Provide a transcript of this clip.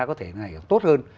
có thể tốt hơn